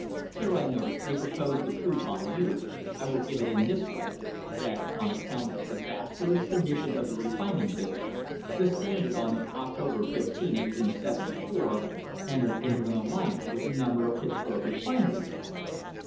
Here, I notice, they propose to prove by you I will give it in this way that on account of the disastrous condition of the refining business, the Standard, on October 15, 1874, entered into an alliance with a number of Pittsburg refineries.